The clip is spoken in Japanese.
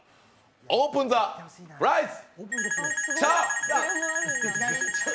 オープン・ザ・プライス！